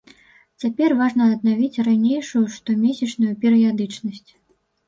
Цяпер важна аднавіць ранейшую штомесячную перыядычнасць.